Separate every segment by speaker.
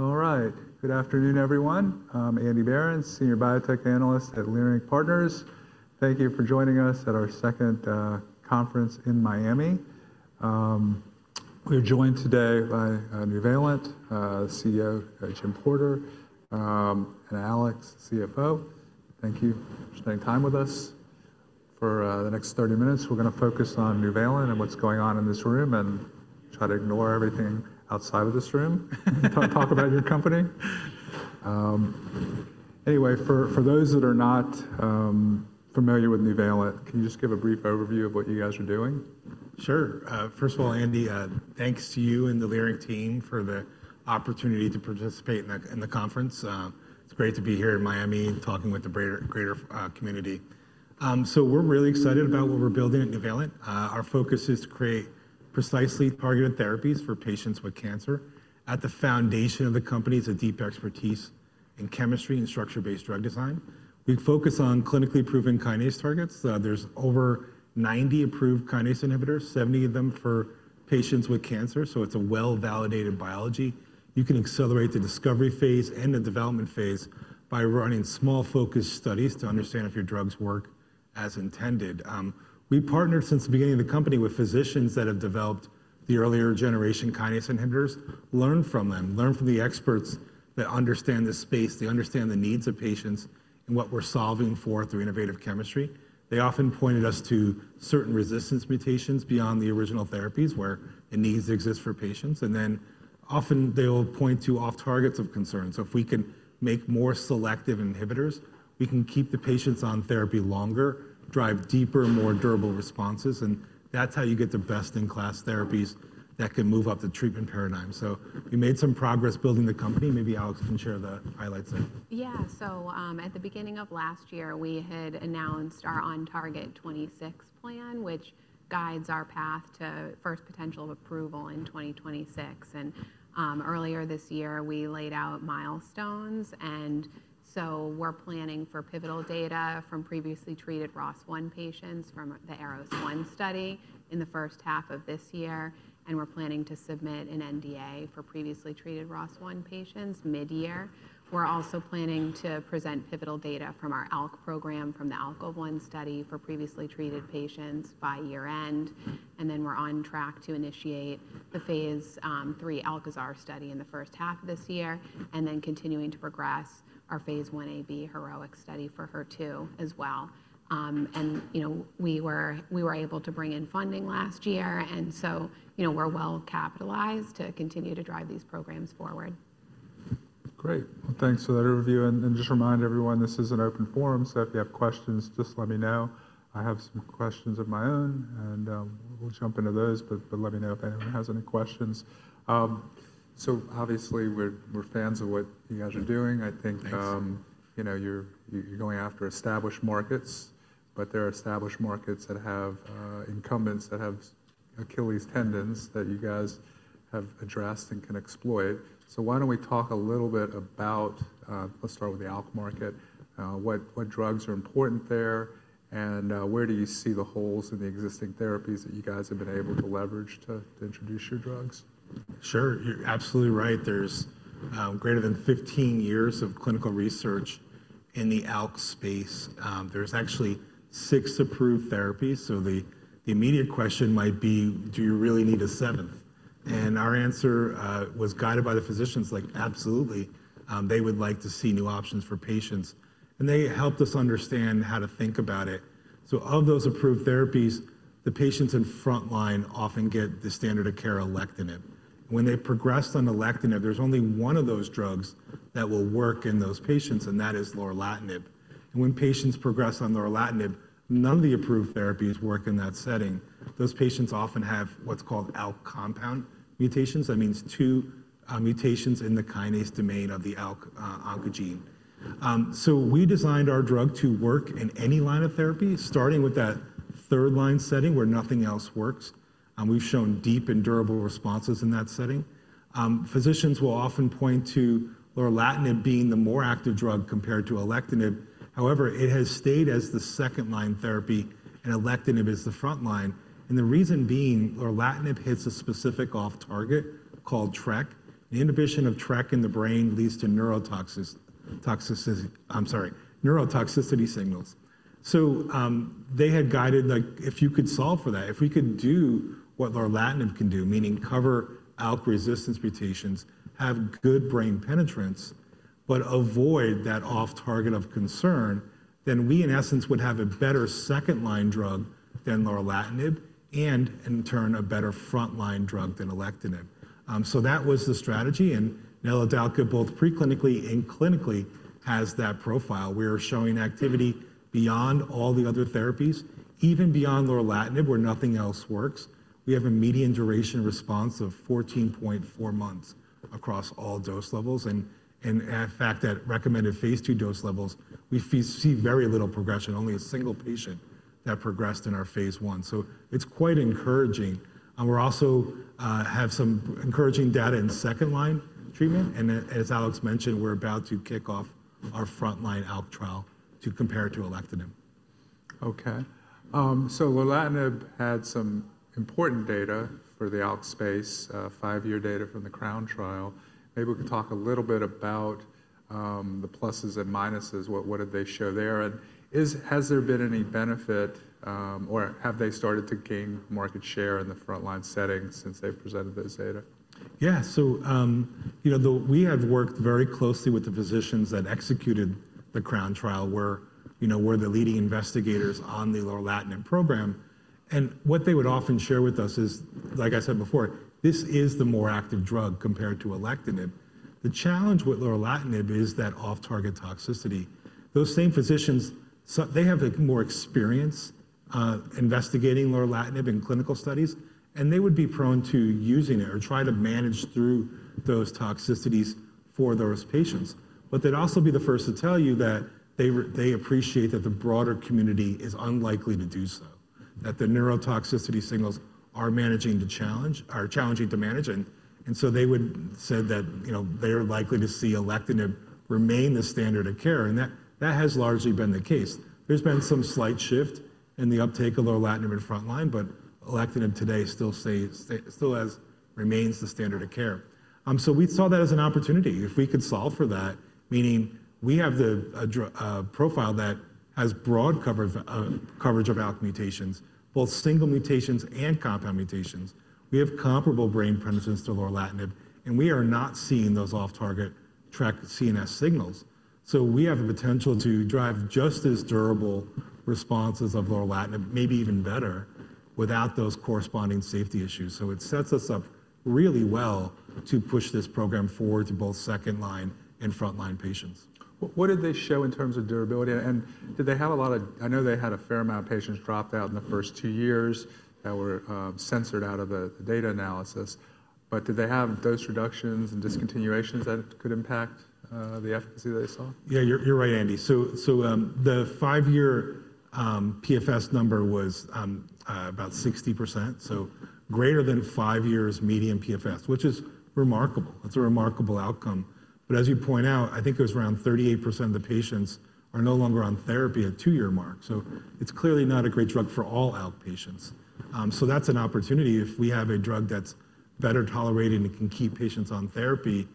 Speaker 1: All right. Good afternoon, everyone. I'm Andy Berens, Senior Biotech Analyst at Leerink Partners. Thank you for joining us at our second conference in Miami. We're joined today by Nuvalent, CEO James (Jim) Porter, and Alexandra, CFO. Thank you for spending time with us. For the next 30 minutes, we're going to focus on Nuvalent and what's going on in this room and try to ignore everything outside of this room and talk about your company. Anyway, for those that are not familiar with Nuvalent, can you just give a brief overview of what you guys are doing?
Speaker 2: Sure. First of all, Andy, thanks to you and the Leerink team for the opportunity to participate in the conference. It's great to be here in Miami talking with the greater community. We're really excited about what we're building at Nuvalent. Our focus is to create precisely targeted therapies for patients with cancer. At the foundation of the company is a deep expertise in chemistry and structure-based drug design. We focus on clinically proven kinase targets. There are over 90 approved kinase inhibitors, 70 of them for patients with cancer. It's a well-validated biology. You can accelerate the discovery phase and the development phase by running small focus studies to understand if your drugs work as intended. We partnered since the beginning of the company with physicians that have developed the earlier generation kinase inhibitors, learned from them, learned from the experts that understand the space, they understand the needs of patients and what we're solving for through innovative chemistry. They often pointed us to certain resistance mutations beyond the original therapies where the needs exist for patients. They will often point to off-targets of concern. If we can make more selective inhibitors, we can keep the patients on therapy longer, drive deeper, more durable responses. That is how you get the best-in-class therapies that can move up the treatment paradigm. We made some progress building the company. Maybe Alex can share the highlights there.
Speaker 3: Yeah. At the beginning of last year, we had announced our On-Target 2026 plan, which guides our path to first potential approval in 2026. Earlier this year, we laid out milestones. We are planning for pivotal data from previously treated ROS1 patients from the ARROS-1 study in the first half of this year. We are planning to submit an NDA for previously treated ROS1 patients mid-year. We are also planning to present pivotal data from our ALK program from the ALKOVE-1 study for previously treated patients by year-end. We are on track to initiate the phase three ALKAZAR study in the first half of this year and continuing to progress our phase one HEROEX-1 study for HER2 as well. We were able to bring in funding last year. We are well capitalized to continue to drive these programs forward.
Speaker 1: Great. Thanks for that overview. Just remind everyone, this is an open forum. If you have questions, just let me know. I have some questions of my own, and we'll jump into those. Let me know if anyone has any questions. Obviously, we're fans of what you guys are doing. I think you're going after established markets, but there are established markets that have incumbents that have Achilles tendons that you guys have addressed and can exploit. Why don't we talk a little bit about, let's start with the ALK market, what drugs are important there, and where do you see the holes in the existing therapies that you guys have been able to leverage to introduce your drugs?
Speaker 2: Sure. You're absolutely right. There's greater than 15 years of clinical research in the ALK space. There's actually six approved therapies. The immediate question might be, do you really need a seventh? Our answer was guided by the physicians, like, absolutely. They would like to see new options for patients. They helped us understand how to think about it. Of those approved therapies, the patients in front line often get the standard of care Alectinib. When they progressed on Alectinib, there's only one of those drugs that will work in those patients, and that is Lorlatinib. When patients progress on Lorlatinib, none of the approved therapies work in that setting. Those patients often have what's called ALK compound mutations. That means two mutations in the kinase domain of the ALK oncogene. We designed our drug to work in any line of therapy, starting with that third line setting where nothing else works. We've shown deep and durable responses in that setting. Physicians will often point to Lorlatinib being the more active drug compared to Alectinib. However, it has stayed as the second line therapy, and Alectinib is the front line. The reason being, Lorlatinib hits a specific off-target called TRK. The inhibition of TRK in the brain leads to neurotoxicity signals. They had guided like, if you could solve for that, if we could do what Lorlatinib can do, meaning cover ALK resistance mutations, have good brain penetrance, but avoid that off-target of concern, then we in essence would have a better second line drug than Lorlatinib and in turn a better front line drug than Alectinib. That was the strategy. NVL-655 both preclinically and clinically has that profile. We are showing activity beyond all the other therapies, even beyond Lorlatinib where nothing else works. We have a median duration response of 14.4 months across all dose levels. In fact, at recommended phase two dose levels, we see very little progression, only a single patient that progressed in our phase one. It is quite encouraging. We also have some encouraging data in second line treatment. As Alex mentioned, we are about to kick off our front line ALK trial to compare to Alectinib.
Speaker 1: Okay. Lorlatinib had some important data for the ALK space, five-year data from the CROWN trial. Maybe we could talk a little bit about the pluses and minuses. What did they show there? Has there been any benefit, or have they started to gain market share in the front line setting since they have presented those data?
Speaker 2: Yeah. We have worked very closely with the physicians that executed the CROWN trial. We're the leading investigators on the Lorlatinib program. What they would often share with us is, like I said before, this is the more active drug compared to Alectinib. The challenge with Lorlatinib is that off-target toxicity. Those same physicians, they have more experience investigating Lorlatinib in clinical studies, and they would be prone to using it or try to manage through those toxicities for those patients. They'd also be the first to tell you that they appreciate that the broader community is unlikely to do so, that the neurotoxicity signals are challenging to manage. They would say that they're likely to see Alectinib remain the standard of care. That has largely been the case. There's been some slight shift in the uptake of Lorlatinib in front line, but Alectinib today still remains the standard of care. We saw that as an opportunity. If we could solve for that, meaning we have the profile that has broad coverage of ALK mutations, both single mutations and compound mutations, we have comparable brain penetrance to Lorlatinib, and we are not seeing those off-target TRK CNS signals. We have a potential to drive just as durable responses as Lorlatinib, maybe even better, without those corresponding safety issues. It sets us up really well to push this program forward to both second line and front line patients.
Speaker 1: What did they show in terms of durability? Did they have a lot of, I know they had a fair amount of patients dropped out in the first two years that were censored out of the data analysis. Did they have dose reductions and discontinuations that could impact the efficacy that they saw?
Speaker 2: Yeah, you're right, Andy. The five-year PFS number was about 60%. Greater than five years median PFS, which is remarkable. That's a remarkable outcome. As you point out, I think it was around 38% of the patients are no longer on therapy at the two-year mark. It's clearly not a great drug for all ALK patients. That's an opportunity. If we have a drug that's better tolerated and can keep patients on therapy,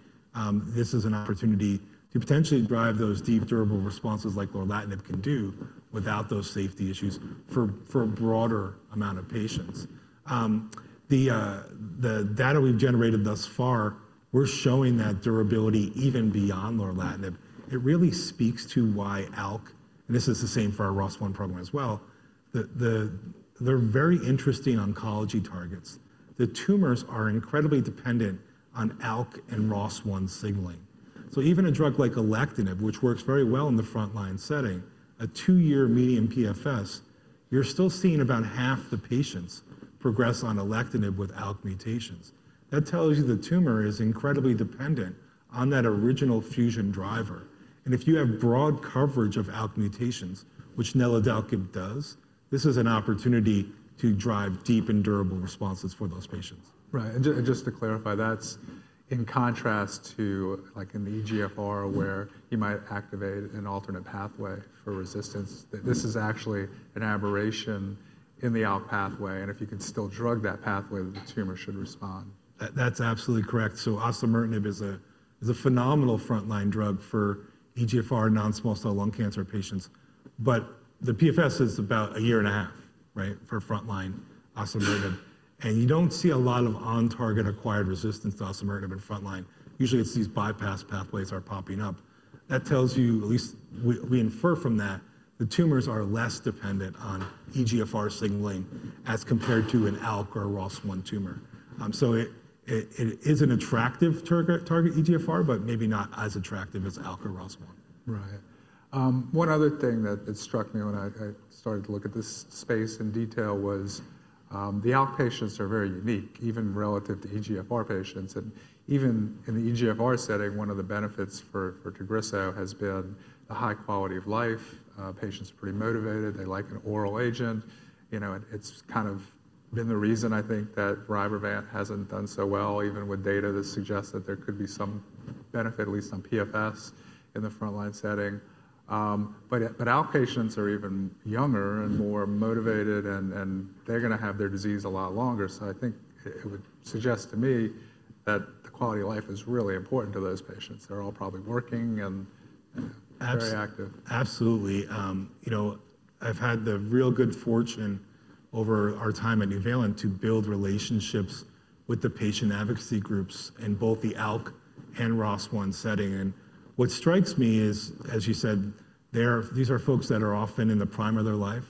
Speaker 2: this is an opportunity to potentially drive those deep durable responses like Lorlatinib can do without those safety issues for a broader amount of patients. The data we've generated thus far were showing that durability even beyond Lorlatinib. It really speaks to why ALK, and this is the same for our ROS1 program as well, they're very interesting oncology targets. The tumors are incredibly dependent on ALK and ROS1 signaling. Even a drug like Alectinib, which works very well in the front line setting, a two-year median PFS, you're still seeing about half the patients progress on Alectinib with ALK mutations. That tells you the tumor is incredibly dependent on that original fusion driver. If you have broad coverage of ALK mutations, which Nuvalent does, this is an opportunity to drive deep and durable responses for those patients.
Speaker 1: Right. Just to clarify, that's in contrast to like in the EGFR where you might activate an alternate pathway for resistance. This is actually an aberration in the ALK pathway. If you can still drug that pathway, the tumor should respond.
Speaker 2: That's absolutely correct. Osimertinib is a phenomenal front line drug for EGFR non-small cell lung cancer patients. The PFS is about a year and a half for front line osimertinib. You do not see a lot of on-target acquired resistance to osimertinib in front line. Usually, it is these bypass pathways that are popping up. That tells you, at least we infer from that, the tumors are less dependent on EGFR signaling as compared to an ALK or ROS1 tumor. It is an attractive target, EGFR, but maybe not as attractive as ALK or ROS1.
Speaker 1: Right. One other thing that struck me when I started to look at this space in detail was the ALK patients are very unique, even relative to EGFR patients. And even in the EGFR setting, one of the benefits for Tagrisso has been the high quality of life. Patients are pretty motivated. They like an oral agent. It's kind of been the reason, I think, that Amivantamab hasn't done so well, even with data that suggests that there could be some benefit, at least on PFS in the front line setting. But ALK patients are even younger and more motivated, and they're going to have their disease a lot longer. I think it would suggest to me that the quality of life is really important to those patients. They're all probably working and very active.
Speaker 2: Absolutely. I've had the real good fortune over our time at Nuvalent to build relationships with the patient advocacy groups in both the ALK and ROS1 setting. What strikes me is, as you said, these are folks that are often in the prime of their life,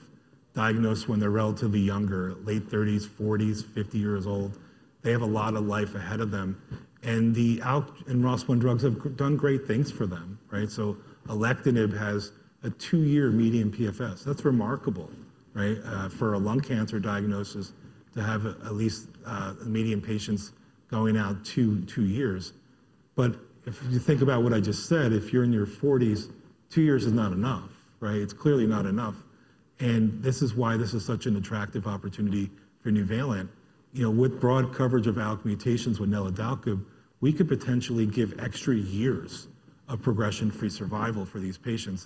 Speaker 2: diagnosed when they're relatively younger, late 30s, 40s, 50 years old. They have a lot of life ahead of them. The ALK and ROS1 drugs have done great things for them. Alectinib has a two-year median PFS. That's remarkable for a lung cancer diagnosis to have at least median patients going out two years. If you think about what I just said, if you're in your 40s, two years is not enough. It's clearly not enough. This is why this is such an attractive opportunity for Nuvalent. With broad coverage of ALK mutations with NVL-655, we could potentially give extra years of progression-free survival for these patients.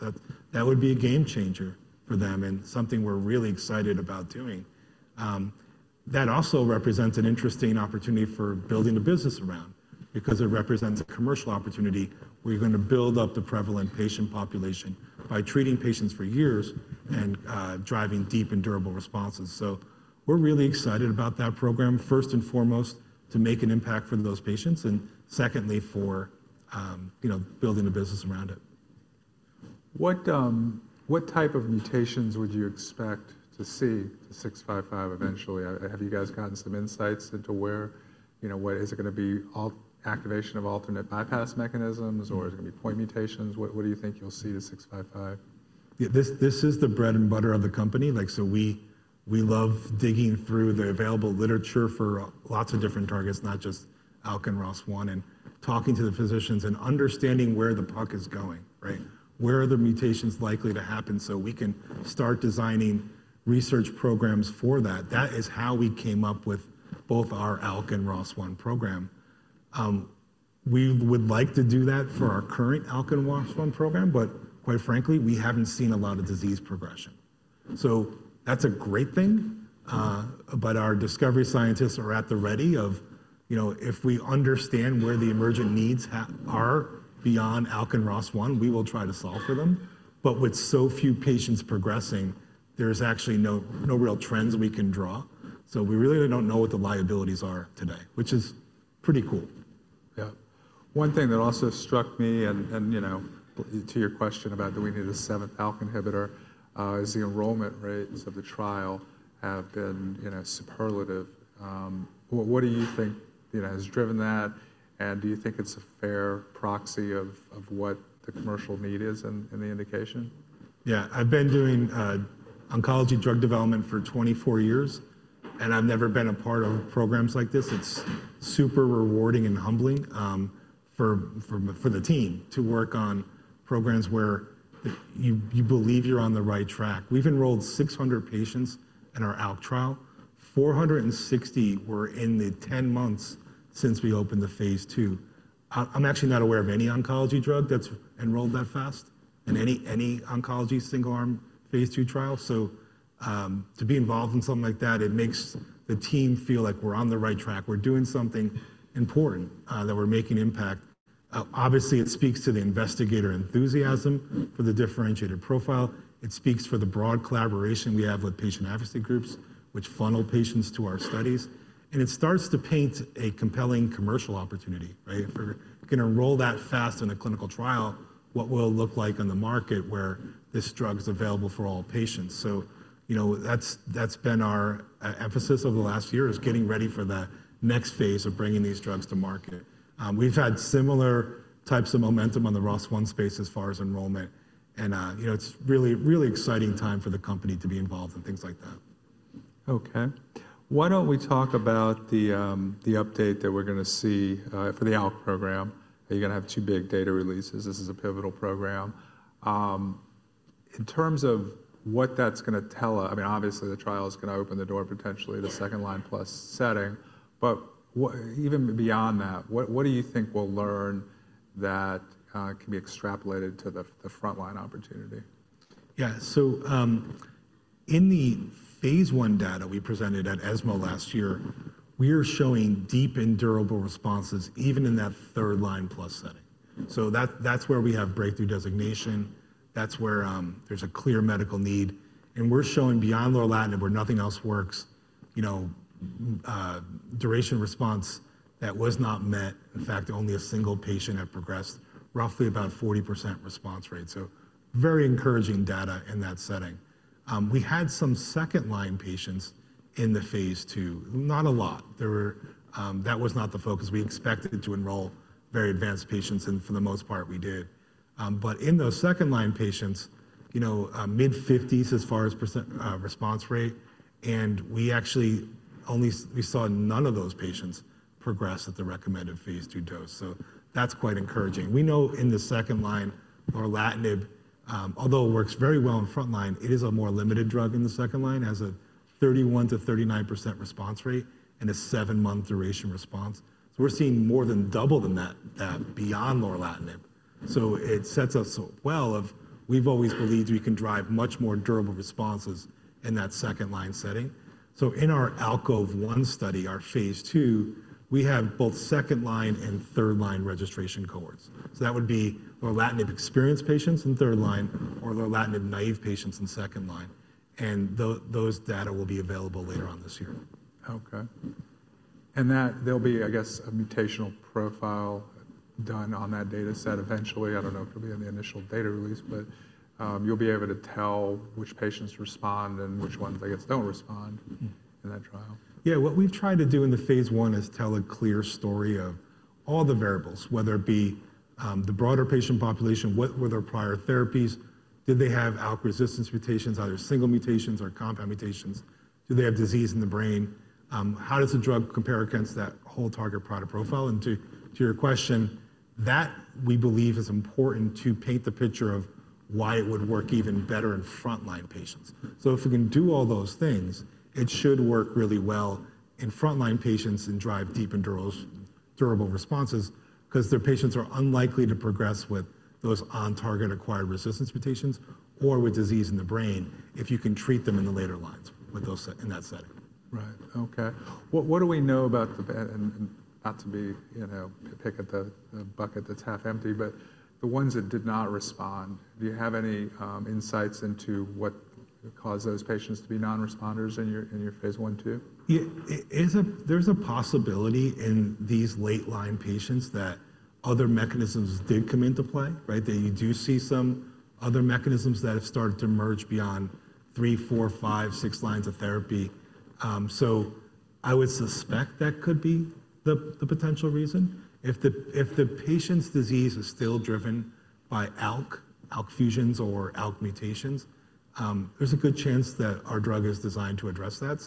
Speaker 2: That would be a game changer for them and something we're really excited about doing. That also represents an interesting opportunity for building a business around because it represents a commercial opportunity where you're going to build up the prevalent patient population by treating patients for years and driving deep and durable responses. We're really excited about that program, first and foremost, to make an impact for those patients, and secondly, for building a business around it.
Speaker 1: What type of mutations would you expect to see to 655 eventually? Have you guys gotten some insights into where is it going to be activation of alternate bypass mechanisms, or is it going to be point mutations? What do you think you'll see to 655?
Speaker 2: This is the bread and butter of the company. We love digging through the available literature for lots of different targets, not just ALK and ROS1, and talking to the physicians and understanding where the puck is going. Where are the mutations likely to happen so we can start designing research programs for that? That is how we came up with both our ALK and ROS1 program. We would like to do that for our current ALK and ROS1 program, but quite frankly, we have not seen a lot of disease progression. That is a great thing. Our discovery scientists are at the ready if we understand where the emergent needs are beyond ALK and ROS1, we will try to solve for them. With so few patients progressing, there are actually no real trends we can draw. We really don't know what the liabilities are today, which is pretty cool.
Speaker 1: Yeah. One thing that also struck me, and to your question about do we need a seventh ALK inhibitor, is the enrollment rates of the trial have been superlative. What do you think has driven that? Do you think it's a fair proxy of what the commercial need is in the indication?
Speaker 2: Yeah. I've been doing oncology drug development for 24 years, and I've never been a part of programs like this. It's super rewarding and humbling for the team to work on programs where you believe you're on the right track. We've enrolled 600 patients in our ALK trial. 460 were in the 10 months since we opened the phase two. I'm actually not aware of any oncology drug that's enrolled that fast in any oncology single arm phase two trial. To be involved in something like that, it makes the team feel like we're on the right track. We're doing something important that we're making impact. Obviously, it speaks to the investigator enthusiasm for the differentiated profile. It speaks for the broad collaboration we have with patient advocacy groups, which funnel patients to our studies. It starts to paint a compelling commercial opportunity. If we're going to enroll that fast in a clinical trial, what will it look like on the market where this drug is available for all patients? That has been our emphasis over the last year, getting ready for the next phase of bringing these drugs to market. We've had similar types of momentum on the ROS1 space as far as enrollment. It's really, really exciting time for the company to be involved in things like that.
Speaker 1: Okay. Why don't we talk about the update that we're going to see for the ALK program? You're going to have two big data releases. This is a pivotal program. In terms of what that's going to tell us, I mean, obviously, the trial is going to open the door potentially to second line plus setting. Even beyond that, what do you think we'll learn that can be extrapolated to the front line opportunity?
Speaker 2: Yeah. In the phase one data we presented at ESMA last year, we are showing deep and durable responses even in that third line plus setting. That is where we have breakthrough designation. That is where there is a clear medical need. We are showing beyond Lorlatinib where nothing else works, duration of response that was not met. In fact, only a single patient had progressed, roughly about 40% response rate. Very encouraging data in that setting. We had some second line patients in the phase two. Not a lot. That was not the focus. We expected to enroll very advanced patients, and for the most part, we did. In those second line patients, mid-50s as far as response rate, and we actually only saw none of those patients progress at the recommended phase two dose. That is quite encouraging. We know in the second line, Lorlatinib, although it works very well in front line, it is a more limited drug in the second line as a 31%-39% response rate and a seven-month duration response. We are seeing more than double than that beyond Lorlatinib. It sets us well off. We have always believed we can drive much more durable responses in that second line setting. In our ALKOVE-1 study, our phase two, we have both second line and third line registration cohorts. That would be Lorlatinib experienced patients in third line or Lorlatinib naive patients in second line. Those data will be available later on this year.
Speaker 1: Okay. There'll be, I guess, a mutational profile done on that data set eventually. I don't know if it'll be in the initial data release, but you'll be able to tell which patients respond and which ones, I guess, don't respond in that trial.
Speaker 2: Yeah. What we've tried to do in the phase one is tell a clear story of all the variables, whether it be the broader patient population, what were their prior therapies, did they have ALK resistance mutations, either single mutations or compound mutations, do they have disease in the brain, how does the drug compare against that whole target product profile. To your question, that we believe is important to paint the picture of why it would work even better in front line patients. If we can do all those things, it should work really well in front line patients and drive deep and durable responses because their patients are unlikely to progress with those on-target acquired resistance mutations or with disease in the brain if you can treat them in the later lines in that setting.
Speaker 1: Right. Okay. What do we know about the, not to pick at the bucket that's half empty, but the ones that did not respond, do you have any insights into what caused those patients to be non-responders in your phase one, two?
Speaker 2: There's a possibility in these late line patients that other mechanisms did come into play, that you do see some other mechanisms that have started to emerge beyond three, four, five, six lines of therapy. I would suspect that could be the potential reason. If the patient's disease is still driven by ALK, ALK fusions or ALK mutations, there's a good chance that our drug is designed to address that.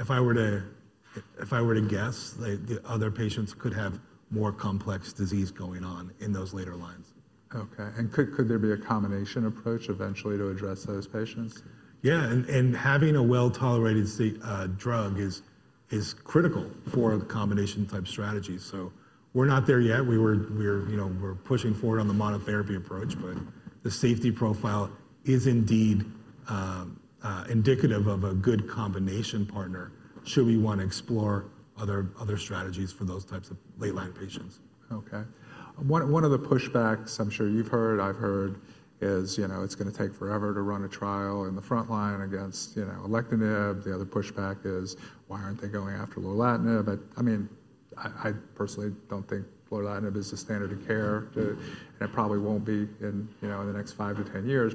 Speaker 2: If I were to guess, the other patients could have more complex disease going on in those later lines.
Speaker 1: Could there be a combination approach eventually to address those patients?
Speaker 2: Yeah. Having a well-tolerated drug is critical for the combination type strategy. We are not there yet. We are pushing forward on the monotherapy approach, but the safety profile is indeed indicative of a good combination partner should we want to explore other strategies for those types of late line patients.
Speaker 1: Okay. One of the pushbacks I'm sure you've heard, I've heard is it's going to take forever to run a trial in the front line against Alectinib. The other pushback is, why aren't they going after Lorlatinib? I mean, I personally don't think Lorlatinib is the standard of care, and it probably won't be in the next five to ten years.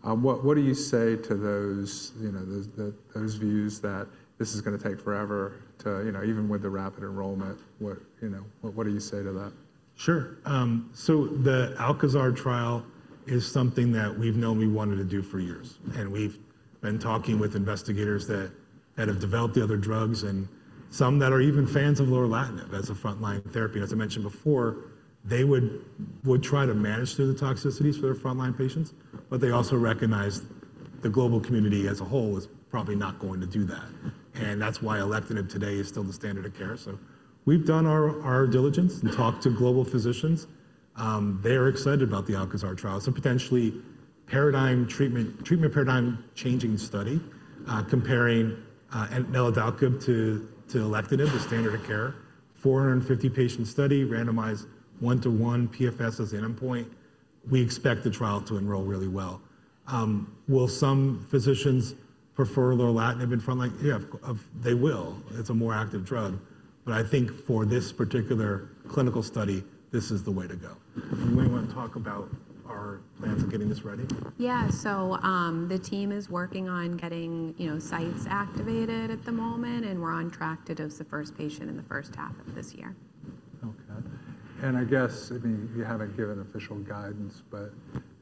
Speaker 1: What do you say to those views that this is going to take forever to even with the rapid enrollment? What do you say to that? Sure. The Alcazar trial is something that we've known we wanted to do for years. We've been talking with investigators that have developed the other drugs and some that are even fans of Lorlatinib as a front line therapy. As I mentioned before, they would try to manage through the toxicities for their front line patients, but they also recognize the global community as a whole is probably not going to do that. That's why Alectinib today is still the standard of care. We've done our diligence and talked to global physicians. They're excited about the Alcazar trial. It's a potentially treatment paradigm changing study comparing Nuvalent to Alectinib, the standard of care, 450 patient study, randomized one-to-one, PFS as the endpoint. We expect the trial to enroll really well. Will some physicians prefer Lorlatinib in front line? Yeah, they will.
Speaker 2: It's a more active drug. I think for this particular clinical study, this is the way to go.
Speaker 1: You may want to talk about our plans of getting this ready.
Speaker 3: Yeah. The team is working on getting sites activated at the moment, and we're on track to dose the first patient in the first half of this year.
Speaker 1: Okay. I guess you haven't given official guidance, but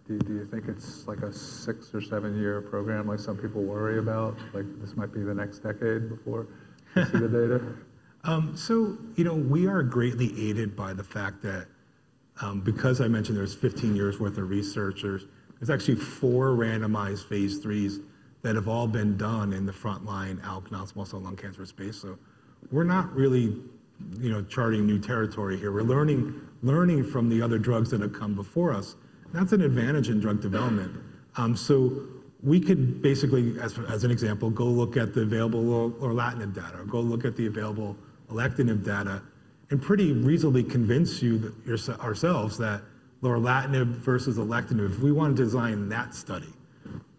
Speaker 1: do you think it's like a six or seven year program like some people worry about? This might be the next decade before you see the data.
Speaker 2: We are greatly aided by the fact that because I mentioned there's 15 years' worth of researchers, there's actually four randomized phase threes that have all been done in the front line ALK non-small cell lung cancer space. We are not really charting new territory here. We are learning from the other drugs that have come before us. That's an advantage in drug development. We could basically, as an example, go look at the available Lorlatinib data, go look at the available Alectinib data, and pretty reasonably convince ourselves that Lorlatinib versus Alectinib, if we want to design that study,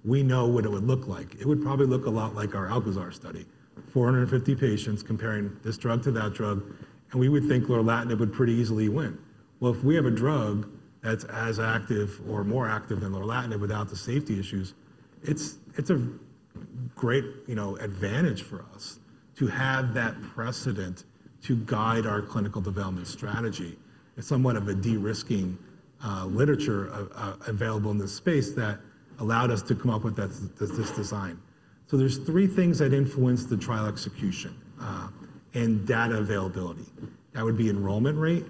Speaker 2: we know what it would look like. It would probably look a lot like our Alcazar study, 450 patients comparing this drug to that drug, and we would think Lorlatinib would pretty easily win. If we have a drug that's as active or more active than Lorlatinib without the safety issues, it's a great advantage for us to have that precedent to guide our clinical development strategy. It's somewhat of a de-risking literature available in this space that allowed us to come up with this design. There are three things that influence the trial execution and data availability. That would be enrollment rate,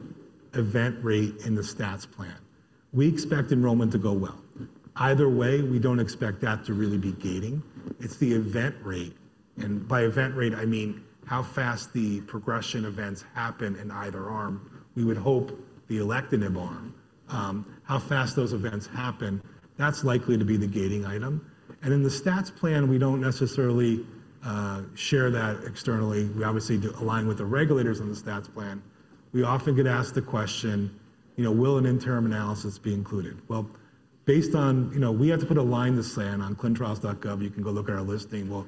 Speaker 2: event rate in the stats plan. We expect enrollment to go well. Either way, we don't expect that to really be gating it. It's the event rate. By event rate, I mean how fast the progression events happen in either arm. We would hope the Alectinib arm, how fast those events happen, that's likely to be the gating item. In the stats plan, we don't necessarily share that externally. We obviously align with the regulators on the stats plan. We often get asked the question, will an interim analysis be included? Based on we have to put a line to say on clintrals.gov, you can go look at our listing.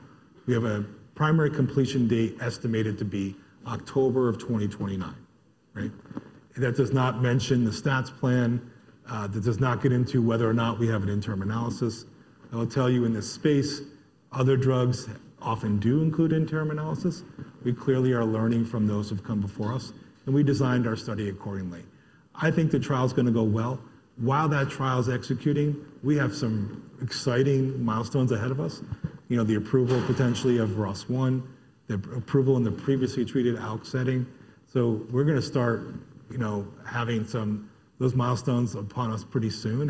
Speaker 2: We have a primary completion date estimated to be October of 2029. That does not mention the stats plan. That does not get into whether or not we have an interim analysis. I'll tell you in this space, other drugs often do include interim analysis. We clearly are learning from those who've come before us, and we designed our study accordingly. I think the trial's going to go well. While that trial's executing, we have some exciting milestones ahead of us, the approval potentially of ROS1, the approval in the previously treated ALK setting. We're going to start having those milestones upon us pretty soon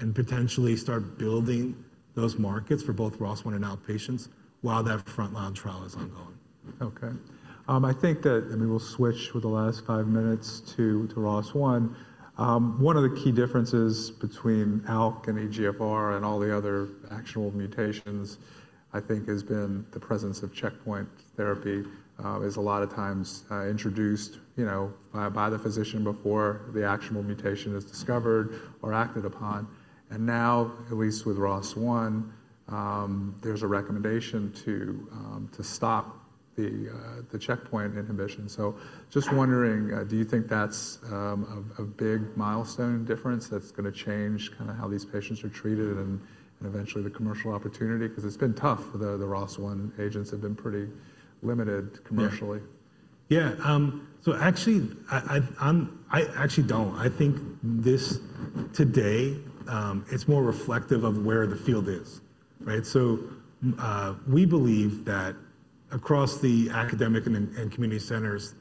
Speaker 2: and potentially start building those markets for both ROS1 and ALK patients while that front line trial is ongoing.
Speaker 1: Okay. I think that we'll switch for the last five minutes to ROS1. One of the key differences between ALK and EGFR and all the other actionable mutations, I think, has been the presence of checkpoint therapy is a lot of times introduced by the physician before the actionable mutation is discovered or acted upon. Now, at least with ROS1, there's a recommendation to stop the checkpoint inhibition. Just wondering, do you think that's a big milestone difference that's going to change kind of how these patients are treated and eventually the commercial opportunity? Because it's been tough for the ROS1 agents have been pretty limited commercially.
Speaker 2: Yeah. So actually, I actually don't. I think this today, it's more reflective of where the field is. We believe that across the academic and community centers,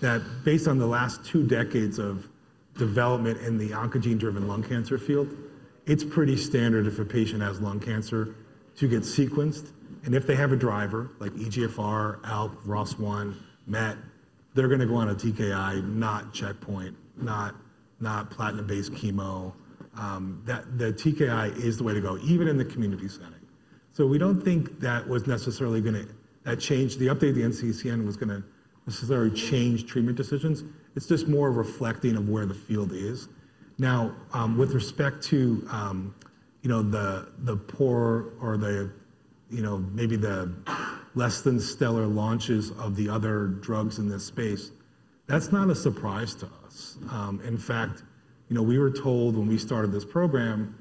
Speaker 2: that based on the last two decades of development in the oncogene-driven lung cancer field, it's pretty standard if a patient has lung cancer to get sequenced. And if they have a driver like EGFR, ALK, ROS1, MET, they're going to go on a TKI, not checkpoint, not platinum-based chemo. The TKI is the way to go, even in the community setting. We don't think that was necessarily going to that changed the update of the NCCN was going to necessarily change treatment decisions. It's just more reflecting of where the field is. Now, with respect to the poor or maybe the less than stellar launches of the other drugs in this space, that's not a surprise to us. In fact, we were told when we started this program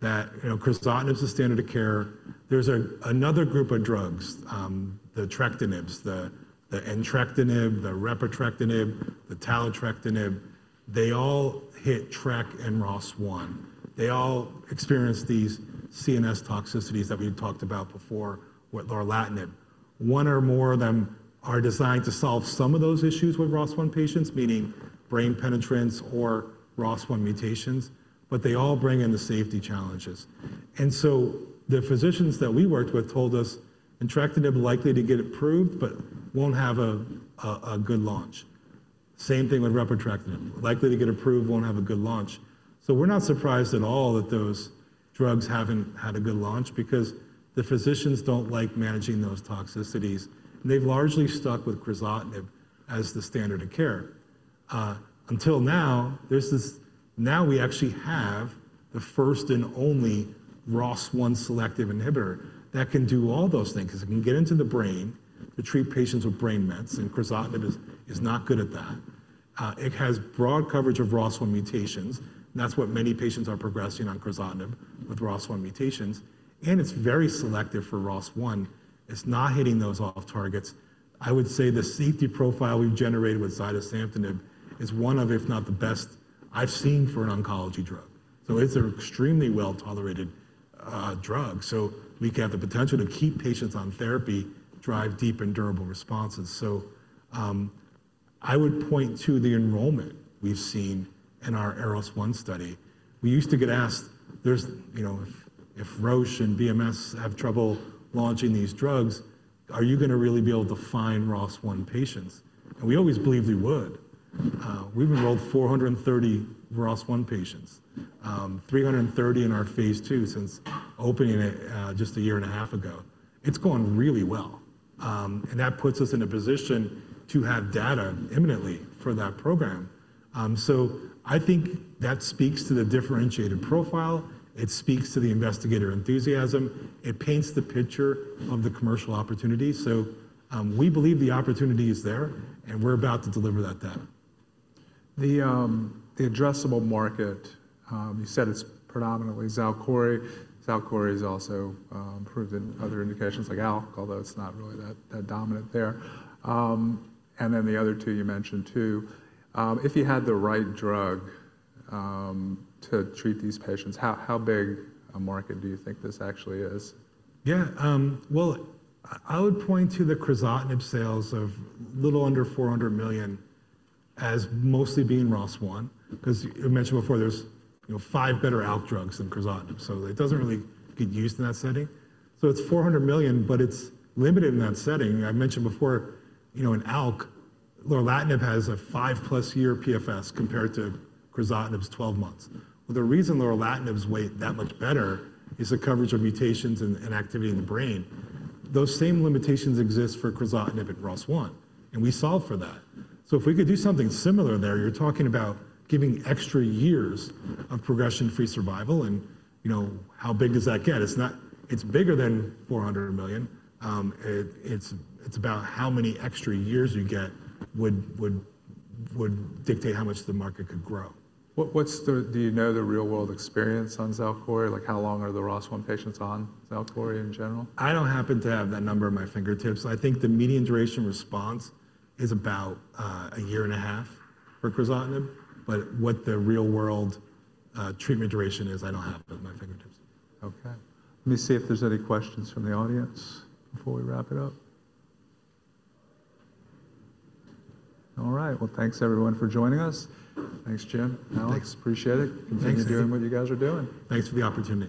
Speaker 2: that crizotinib is the standard of care. There's another group of drugs, the trectinibs, the entrectinib, the repotrectinib, the taletrectinib. They all hit TRK and ROS1. They all experience these CNS toxicities that we talked about before, Lorlatinib. One or more of them are designed to solve some of those issues with ROS1 patients, meaning brain penetrance or ROS1 mutations, but they all bring in the safety challenges. The physicians that we worked with told us entrectinib likely to get approved, but won't have a good launch. Same thing with repotrectinib, likely to get approved, won't have a good launch. We are not surprised at all that those drugs haven't had a good launch because the physicians don't like managing those toxicities. They have largely stuck with crizotinib as the standard of care. Until now, there's this now we actually have the first and only ROS1 selective inhibitor that can do all those things because it can get into the brain to treat patients with brain mets, and crizotinib is not good at that. It has broad coverage of ROS1 mutations. That's what many patients are progressing on crizotinib with ROS1 mutations. And it's very selective for ROS1. It's not hitting those off targets. I would say the safety profile we've generated with zidesamtinib is one of, if not the best, I've seen for an oncology drug. It is an extremely well-tolerated drug. We can have the potential to keep patients on therapy, drive deep and durable responses. I would point to the enrollment we've seen in our ROS1 study. We used to get asked, if Roche and BMS have trouble launching these drugs, are you going to really be able to find ROS1 patients? We always believed we would. We've enrolled 430 ROS1 patients, 330 in our phase two since opening it just a year and a half ago. It's gone really well. That puts us in a position to have data imminently for that program. I think that speaks to the differentiated profile. It speaks to the investigator enthusiasm. It paints the picture of the commercial opportunity. We believe the opportunity is there, and we're about to deliver that data.
Speaker 1: The addressable market, you said it's predominantly Xalkori. Xalkori is also proven other indications like ALK, although it's not really that dominant there. The other two you mentioned too, if you had the right drug to treat these patients, how big a market do you think this actually is?
Speaker 2: Yeah. I would point to the crizotinib sales of a little under $400 million as mostly being ROS1 because I mentioned before, there's five better ALK drugs than crizotinib. It doesn't really get used in that setting. It's $400 million, but it's limited in that setting. I mentioned before, in ALK, Lorlatinib has a five-plus year PFS compared to crizotinib's 12 months. The reason Lorlatinib's way that much better is the coverage of mutations and activity in the brain. Those same limitations exist for crizotinib at ROS1, and we solve for that. If we could do something similar there, you're talking about giving extra years of progression-free survival. How big does that get? It's bigger than $400 million. It's about how many extra years you get would dictate how much the market could grow.
Speaker 1: Do you know the real-world experience on Crizotinib? How long are the ROS1 patients on Crizotinib in general?
Speaker 2: I don't happen to have that number on my fingertips. I think the median duration response is about a year and a half for crizotinib. What the real-world treatment duration is, I don't have it in my fingertips.
Speaker 1: Okay. Let me see if there's any questions from the audience before we wrap it up. All right. Thanks everyone for joining us. Thanks, Jim.
Speaker 2: Thanks.
Speaker 1: Appreciate it. Thanks, Jim. Continue doing what you guys are doing.
Speaker 2: Thanks for the opportunity.